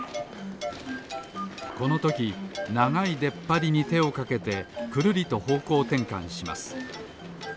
このときながいでっぱりにてをかけてくるりとほうこうてんかんします。